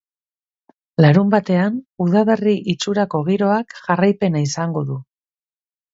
Larunbatean udaberri itxurako giroak jarraipena izango du.